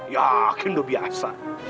yaa akhirnya biasa